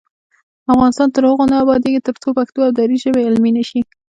افغانستان تر هغو نه ابادیږي، ترڅو پښتو او دري ژبې علمي نشي.